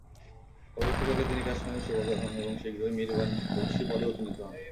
পরবর্তীকালে তিনি কাশ্মীরের সুবাহদার হন এবং শীঘ্রই মীর বখশী পদে উন্নীত হন।